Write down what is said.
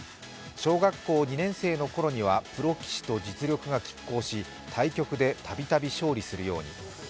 小学校２年生の頃にはプロ棋士と実力が拮抗し対局でたびたび勝利するように。